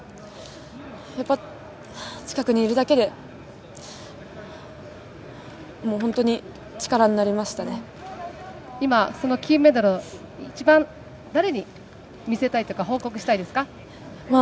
やっぱり近くにいるだけでもう本今、その金メダルを、一番誰に見せたいというか、報告したいですか。